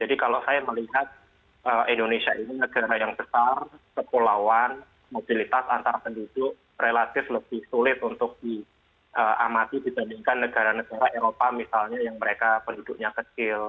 jadi kalau saya melihat indonesia ini negara yang besar kepulauan mobilitas antar penduduk relatif lebih sulit untuk diamati dibandingkan negara negara eropa misalnya yang mereka penduduknya kecil